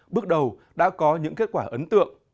bước đầu đã có những kết quả ấn tượng